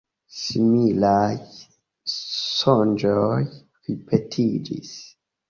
Similaj sonĝoj ripetiĝis.